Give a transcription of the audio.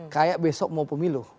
kayak besok mau pemilu